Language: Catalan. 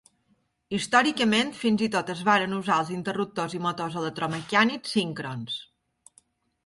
Històricament, fins i tot es varen usar els interruptors i motors electromecànics síncrons.